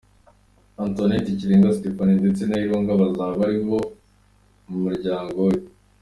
Antoinette, Kirenga Saphine ndetse na Irunga bazaba ari abo mu muryango we.